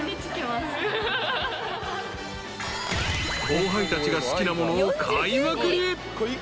［後輩たちが好きなものを買いまくり］